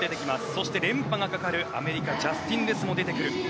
そして連覇がかかるアメリカ、ジャスティン・レスも出てくる。